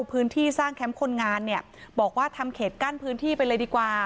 พื้นที่สร้างแคมป์คนงานเนี่ยบอกว่าทำเขตกั้นพื้นที่ไปเลยดีกว่า